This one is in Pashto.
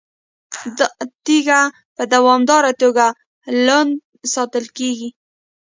دا تیږه په دوامداره توګه لوند ساتل کیږي.